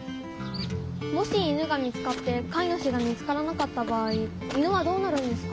もし犬が見つかってかいぬしが見つからなかった場合犬はどうなるんですか？